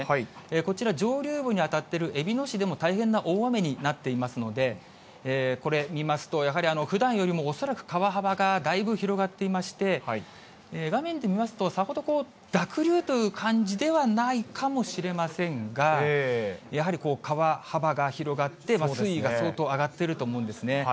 こちら、上流部に当たっているえびの市でも大変な大雨になっていますので、これ、見ますと、やはりふだんよりも恐らく川幅がだいぶ広がっていまして、画面で見ますと、さほど、濁流という感じではないかもしれませんが、やはり川幅が広がって、水位が相当上がっていると思うんですね。